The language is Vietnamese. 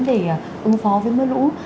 để ứng phó với mưa lũ